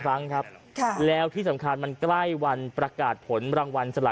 ครั้งครับแล้วที่สำคัญมันใกล้วันประกาศผลรางวัลสละ